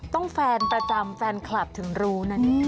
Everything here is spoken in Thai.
ต้องแฟนประจำแฟนคลับถึงรู้นั้น